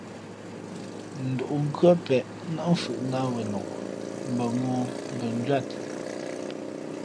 Ndǔʼ nkhʉ́ά pěʼ nά mfhʉʼnāt wenok, mbα mōō mbα njwíat.